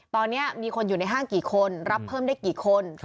ตอนนี้มีคนอยู่ในห้างกี่คนรับเพิ่มได้กี่คน